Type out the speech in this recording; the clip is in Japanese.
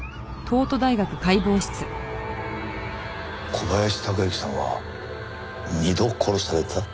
小林孝之さんは二度殺された？